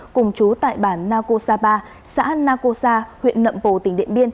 cùng chú tại bản nako sapa xã nako sa huyện nậm bồ tp hcm